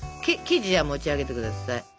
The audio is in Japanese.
生地じゃ持ち上げてください。